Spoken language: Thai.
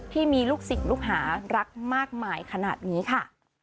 ที่มีลูกศิษย์ลูกหารักมากมายขนาดนี้ค่ะ